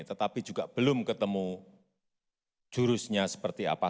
tetapi juga belum ketemu jurusnya seperti apa